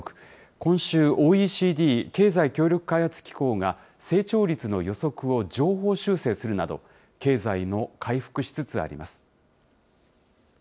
今週、ＯＥＣＤ・経済協力開発機構が成長率の予測を上方修正するなど、経済も回復しつつあります。